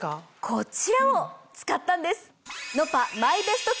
こちらを使ったんです。